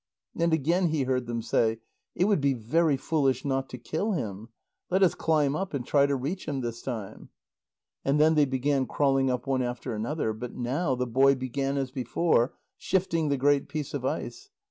And again he heard them say: "It would be very foolish not to kill him. Let us climb up, and try to reach him this time." And then they began crawling up one after another. But now the boy began as before, shifting the great piece of ice.